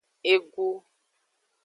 Egu.